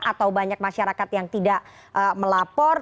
atau banyak masyarakat yang tidak melapor